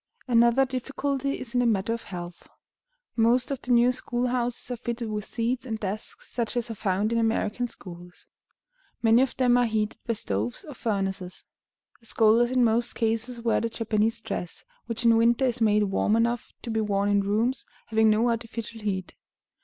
Another difficulty is in the matter of health. Most of the new school houses are fitted with seats and desks, such as are found in American schools. Many of them are heated by stoves or furnaces. The scholars in most cases wear the Japanese dress, which in winter is made warm enough to be worn in rooms having no artificial heat.